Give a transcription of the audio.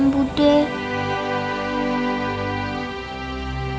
ini beda adanya denger